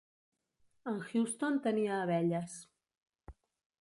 En Huston tenia abelles.